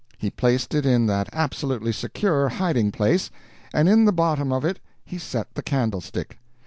He placed it in that absolutely secure hiding place, and in the bottom of it he set the candlestick.